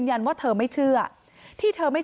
นางศรีพรายดาเสียยุ๕๑ปี